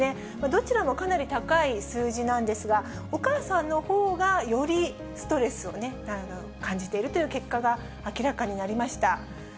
どちらもかなり高い数字なんですが、お母さんのほうがよりストレスをね、感じているという結果が明らかになりました。